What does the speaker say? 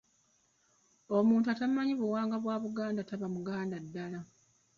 Omuntu atamanyi buwangwa bwa Baganda taba Muganda ddala.